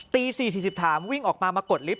ตี๔๔๐ถามวิ่งออกมามากดลิฟท์